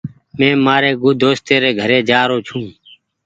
مين مآري دوستي ري گھري جآ رو ڇون۔